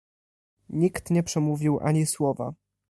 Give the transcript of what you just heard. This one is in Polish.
"Nikt nie przemówił ani słowa."